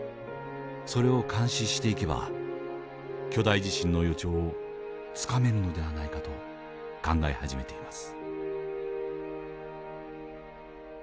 それを監視していけば巨大地震の予兆をつかめるのではないかと考え始めています。